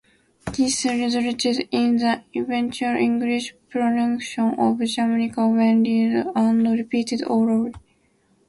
This resulted in the eventual English pronunciation of "Jamaica" when read and repeated orally.